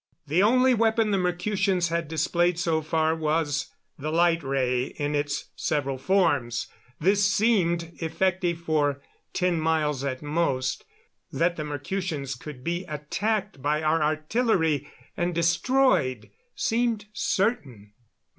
The only weapon the Mercutians had displayed so far was the light ray in its several forms. This seemed effective for ten miles at most. That the Mercutians could be attacked by our artillery and destroyed seemed certain.